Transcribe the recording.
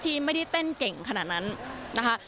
ไม่ได้เต้นเก่งขนาดนั้นนะคะ